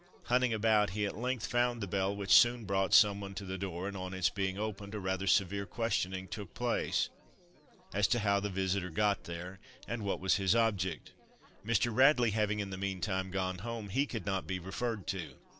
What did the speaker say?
Hunting about, he at length found the bell which soon brought some one to the door, and on its being opened a rather severe questioning took place, as to how the visitor got there and what was his object. Mr. Radley having in the meantime gone home, he could not be referred to.